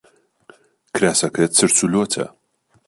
کراسەکەت چرچ و لۆچە.